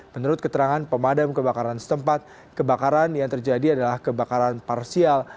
menurut keterangan pemadam kebakaran setempat kebakaran yang terjadi adalah kebakaran parsial